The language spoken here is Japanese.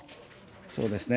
そうですね。